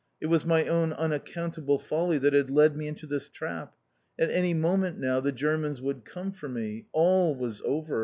It was my own unaccountable folly that had led me into this trap. At any moment now the Germans would come for me. All was over.